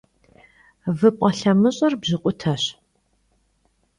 Vı p'alhemış'er bjıkhuteş.